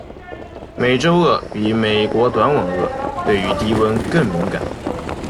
美洲鳄比美国短吻鳄对于低温更敏感。